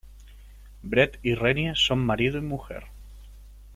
Brett y Rennie son marido y mujer.